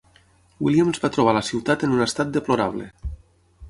Williams va trobar la ciutat en un estat deplorable.